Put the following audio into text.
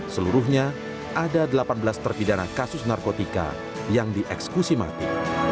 seluruhnya ada delapan belas terpidana kasus narkotika yang dieksekusi mati